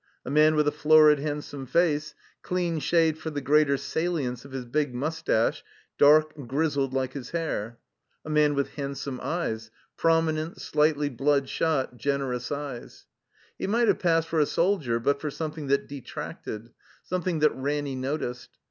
A man with a florid, handsome face, clean shaved for the greater salience of his big mustache (dark, grizzled like his hair). A man with handsome eyes — prominent, slightly bloodshot, generous eyes. He might have passed for a soldier but for something that detracted, something that Ranny noticed.